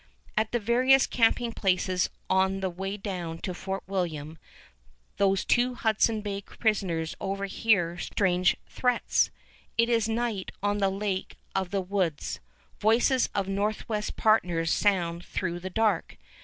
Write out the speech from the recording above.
At the various camping places on the way down to Fort William, those two Hudson's Bay prisoners overhear strange threats. It is night on the Lake of the Woods. Voices of Northwest partners sound through the dark.